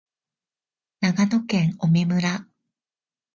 長野県麻績村